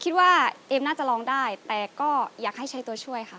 เอมน่าจะร้องได้แต่ก็อยากให้ใช้ตัวช่วยค่ะ